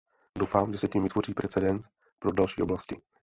Doufám, že se tím vytvoří precedens pro další oblasti.